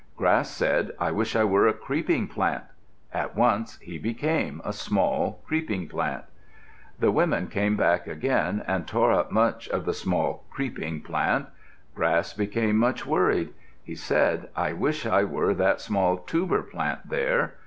Grass said, "I wish I were a Creeping Plant." At once he became a small Creeping Plant. The women came back again and tore up much of the small creeping plant. Grass became much worried. He said, "I wish I were that small Tuber plant there."